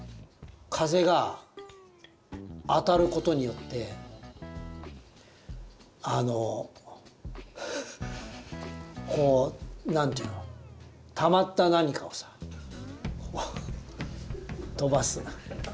風が当たることによってこう何ていうのたまった何かをさ飛ばす。